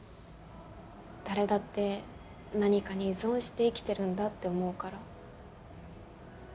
誰だって何かに依存して生きてるんだって思うから。